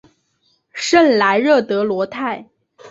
圣莱热德罗泰。